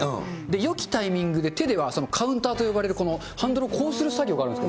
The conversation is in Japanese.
よきタイミングで手ではカウンター呼ばれる、このハンドルをこうする作業があるんですよ。